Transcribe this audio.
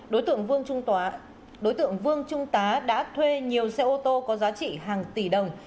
đối tượng vương trung tá đã thuê nhiều xe ô tô có giá trị hàng tỷ đồng